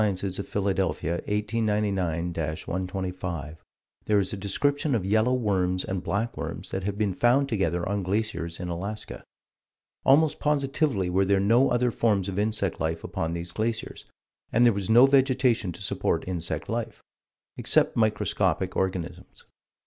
of Philadelphia_, 1899 125, there is a description of yellow worms and black worms that have been found together on glaciers in Alaska. Almost positively were there no other forms of insect life upon these glaciers, and there was no vegetation to support insect life, except microscopic organisms.